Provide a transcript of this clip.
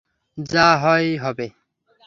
যা হয় হবে।